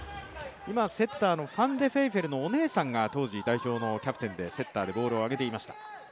今、セッターのファンデフェイフェルのお姉さんが当時代表のキャプテンでセッターでボールを上げていました。